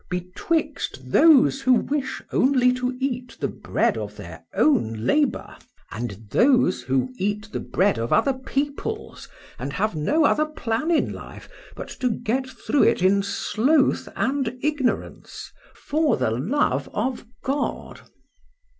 betwixt those who wish only to eat the bread of their own labour—and those who eat the bread of other people's, and have no other plan in life, but to get through it in sloth and ignorance, for the love of God.